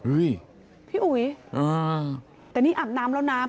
พี่อุ๋ยอ่าแต่นี่อาบน้ำแล้วน้ำ